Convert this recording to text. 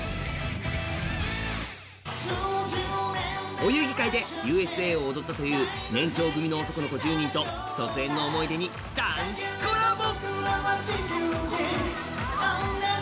お遊戯会で「Ｕ．Ｓ．Ａ．」を踊ったという年長組の男の子１０人と卒園の思い出にダンスコラボ。